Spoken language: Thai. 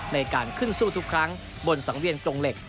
ในการขึ้นสู้ทุกครั้งบนสังเวียนกรงเหล็ก